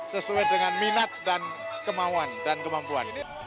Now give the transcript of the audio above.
sesuai dengan minat dan kemampuan